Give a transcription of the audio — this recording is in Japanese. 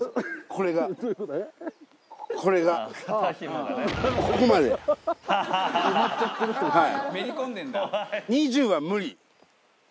これがこれがここまで埋まっちゃってるってことですか